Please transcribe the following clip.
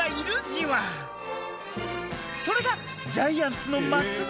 それが。